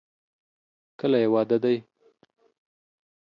کله یې واده دی؟